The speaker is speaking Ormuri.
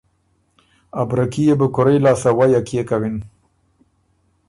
او ا بره کي يې بو کُورئ لاسته ویه کيې کَوِن؟